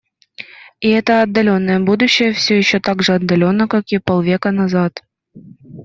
И это отдаленное будущее все еще так же отдалённо, как и полвека назад.